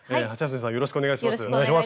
よろしくお願いします。